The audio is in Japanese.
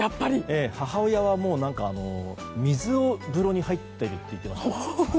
母親は水風呂に入っていると言っていました。